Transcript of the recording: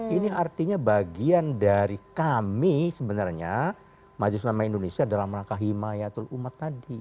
ini artinya bagian dari kami sebenarnya majelis nama indonesia dalam rangka himayatul umat tadi